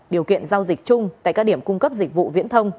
điều kiện giao dịch chung tại các điểm cung cấp dịch vụ viễn thông